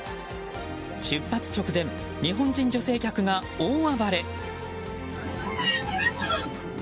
出発直前、日本人女性客が大暴れ。